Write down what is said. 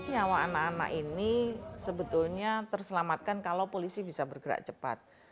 nyawa anak anak ini sebetulnya terselamatkan kalau polisi bisa bergerak cepat